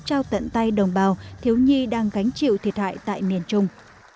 trao tận tay đồng bào thiếu nhi đang gánh chịu thiệt hại tại miền trung